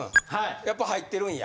やっぱり入ってるんや。